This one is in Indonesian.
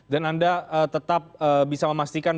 dan anda tetap bisa memastikan